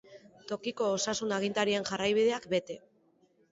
Tokiko osasun-agintarien jarraibideak bete.